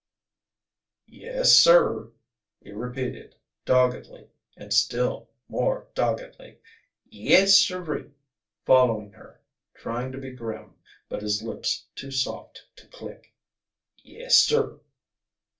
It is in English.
"Yes, sir," he repeated, doggedly and still more doggedly. "Yes, siree!" Following her, trying to be grim, but his lips too soft to click. "Yes sir!"